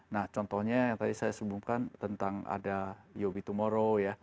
nah contohnya yang tadi saya sebutkan tentang ada yobi tumoro ya